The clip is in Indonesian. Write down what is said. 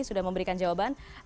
sudah memberikan jawaban